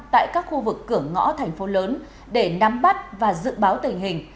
tại các khu vực cửa ngõ thành phố lớn để nắm bắt và dự báo tình hình